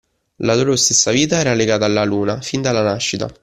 La loro stessa vita era legata alla luna fin dalla nascita.